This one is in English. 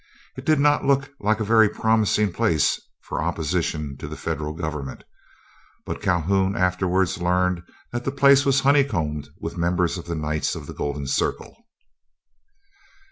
It did not look like a very promising place for opposition to the Federal government, but Calhoun afterwards learned that the place was honeycombed with members of the Knights of the Golden Circle.